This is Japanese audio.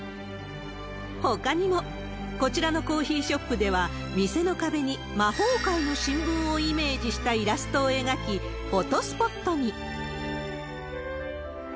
ほかにも、こちらのコーヒーショップでは、店の壁に魔法界の新聞をイメージしたイラストを描き、フォトスポットに。